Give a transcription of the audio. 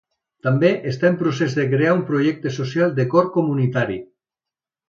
També està en procés de crear un projecte social de cor comunitari.